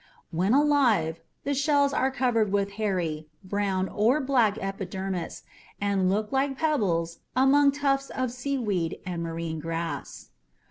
While alive, the shells are covered with hairy, brown or black epidermis and look like pebbles among tufts of seaweed and marine grass.